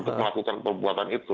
untuk melakukan perbuatan itu